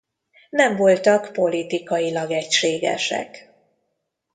Nem voltak politikailag egységesek.